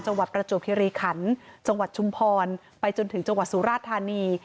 จังหวัดประจวบฮีรีขันจังหวัดชุมพรไปจนถึงจังหวัดสุราธารณี